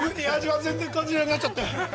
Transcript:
味が全然感じなくなっちゃった。